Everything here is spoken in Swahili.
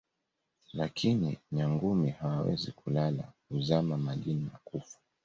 lakini Nyangumi hawawezi kulala huzama majini na kufa